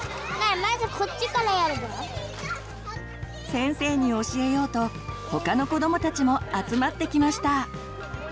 先生に教えようと他の子どもたちも集まってきました。